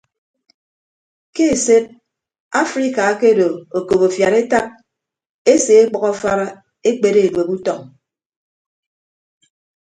Ke esed afrika akedo okop afiad etap ese ọkpʌk afara ekpere edueb utọñ.